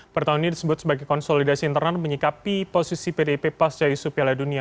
pertemuan ini disebut sebagai konsolidasi internal menyikapi posisi pdp pasca isu piala dunia